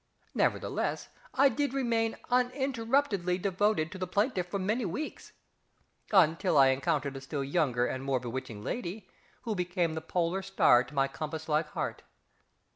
Nevertheless, I did remain uninterruptedly devoted to the plaintiff for many weeks until I encountered a still younger and more bewitching lady, who became the Polar Star to my compass like heart.